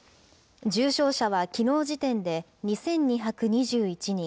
重症者はきのう時点で２２２１人。